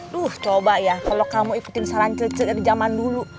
duh coba ya kalau kamu ikuti saran cece dari zaman dulu